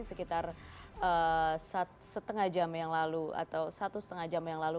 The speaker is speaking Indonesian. sekitar setengah jam yang lalu atau satu setengah jam yang lalu